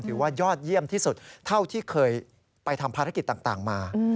ถือว่ายอดเยี่ยมที่สุดเท่าที่เคยไปทำภารกิจต่างมา